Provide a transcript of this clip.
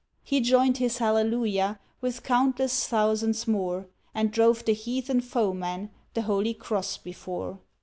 He joined his Alleluia With countless thousands more, And drove the heathen foemen, The Holy Cross before.